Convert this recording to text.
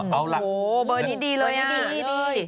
โหเบอร์นี้ดีเลย